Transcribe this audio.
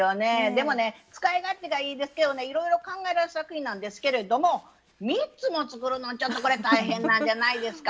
でもね使い勝手がいいですけどねいろいろ考えられた作品なんですけれども３つも作るのちょっとこれ大変なんじゃないですか？